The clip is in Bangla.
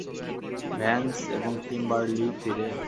ভ্যান্স এবং কিম্বার্লি ফিরে?